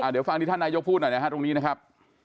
เดี๋ยวฟังที่ท่านนายกพูดหน่อยนะฮะตรงนี้นะครับ